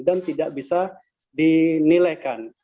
dan tidak bisa dinilai